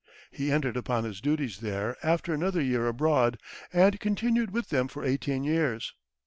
He entered upon his duties there after another year abroad, and continued with them for eighteen years.